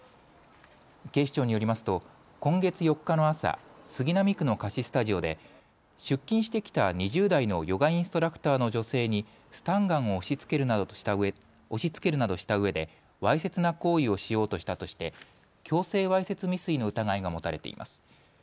警視庁によりますと今月４日の朝、杉並区の貸しスタジオで出勤してきた２０代のヨガインストラクターの女性にスタンガンを押しつけるなどとしたうえでわいせつな行為をしようとしたとして強制わいせつ未遂の疑いが持たれています。